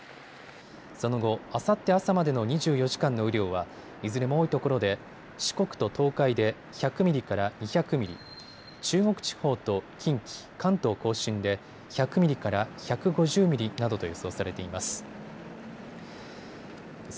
その後、あさって朝までの２４時間の雨量はいずれも多いところで四国と東海で１００ミリから２００ミリ、中国地方と近畿、関東甲信で１００ミリから１５０ミリなどと予想されています。